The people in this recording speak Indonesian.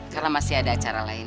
karena masih ada acara lain